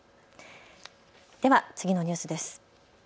では次のニュースです。